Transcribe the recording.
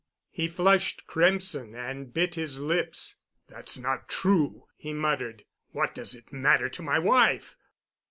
He flushed crimson and bit his lips. "That's not true," he muttered. "What does it matter to my wife?